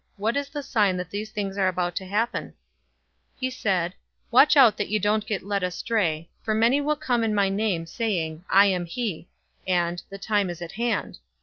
What is the sign that these things are about to happen?" 021:008 He said, "Watch out that you don't get led astray, for many will come in my name, saying, 'I am he{or, I AM},' and, 'The time is at hand.'